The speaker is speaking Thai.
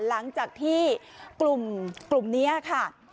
หลังจากที่กลุ่มนี้ค่ะ